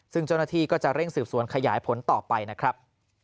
ซึ่งเจ้าหน้าที่ก็จะเร่งสืบสวนขยายผลต่อไปนะครับ